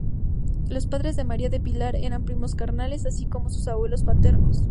Los padres de María del Pilar eran primos carnales, así como sus abuelos paternos.